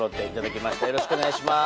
よろしくお願いします。